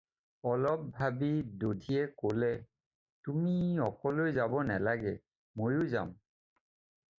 অলপ ভাবি দধিয়ে ক'লে- "তুমি অকলৈ যাব নালাগে ময়ো যাম।"